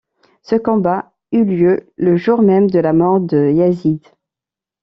Ce combat eu lieu le jour même de la mort de Yazid.